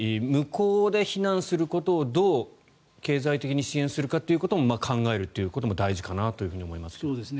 向こうで避難することをどう経済的に支援するかということも考えることも大事かと思います。